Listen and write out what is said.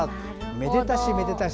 めでたし、めでたし。